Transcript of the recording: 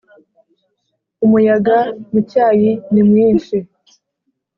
umuyaga mucyayi nimwishi